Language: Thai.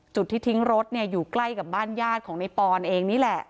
จุดที่ทิ้งรถเนี่ยอยู่ใกล้กับบ้านญาติของในปอนเองนี่แหละ